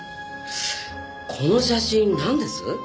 この写真何です？